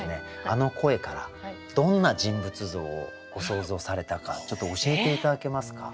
あの声からどんな人物像をご想像されたかちょっと教えて頂けますか？